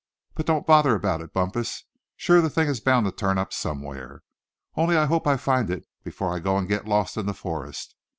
But don't bother about it, Bumpus; sure the thing is bound to turn up somewhere. Only I hope I find it before I go and get lost in the forest.